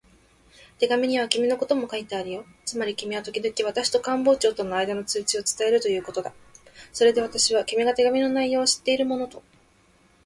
手紙には君のことも書いてあるよ。つまり君はときどき私と官房長とのあいだの通知を伝えるということだ。それで私は、君が手紙の内容を知っているものと